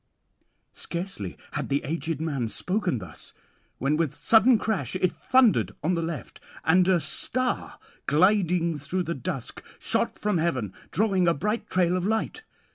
'Scarcely had the aged man spoken thus, when with sudden crash it thundered on the left, and a star gliding through the dusk shot from heaven drawing a bright trail of light.